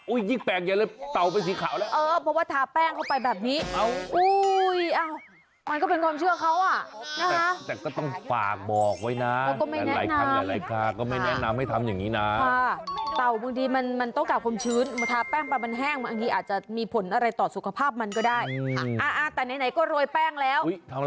อุ้ยยิ่งแปลกอย่างนั้นเต่าเป็นสีขาวแล้ว